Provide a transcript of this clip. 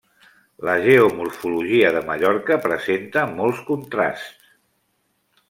La geomorfologia de Mallorca presenta molts contrasts.